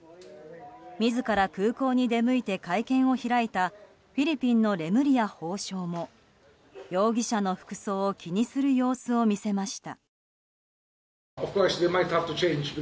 自ら空港に出向いて会見を開いたフィリピンのレムリヤ法相も容疑者の服装を気にする様子を見せました。